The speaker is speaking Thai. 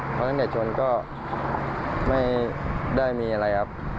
เพราะฉะนั้นเด็กชนก็ไม่ได้มีอะไรครับ